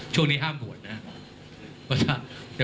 ช่วงนี้ห้ามบวชนะครับ